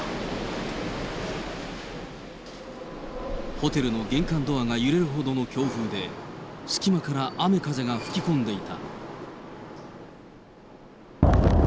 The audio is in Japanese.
ホテルの玄関ドアが揺れるほどの強風で、隙間から雨、風が吹き込んでいた。